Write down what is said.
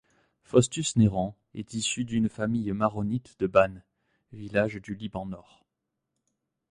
Faustus Nairon est issu d’une famille maronite de Bân, village du Liban-Nord.